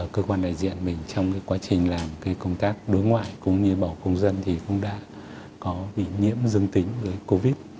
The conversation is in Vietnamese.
cơ quan đại diện mình trong quá trình làm công tác đối ngoại cũng như bảo công dân thì cũng đã có bị nhiễm dưng tính với covid